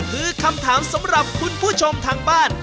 คือคำถามสำหรับคุณผู้ชมทางบ้าน